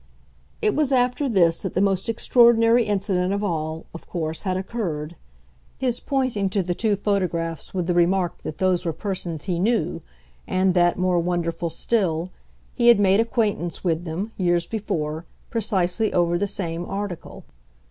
It was after this that the most extraordinary incident of all, of course, had occurred his pointing to the two photographs with the remark that those were persons he knew, and that, more wonderful still, he had made acquaintance with them, years before, precisely over the same article.